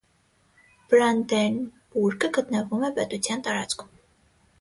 Բրանդենբուրգը գտնվում է պետության տարածքում։